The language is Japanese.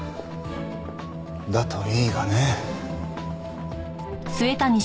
だといいがね。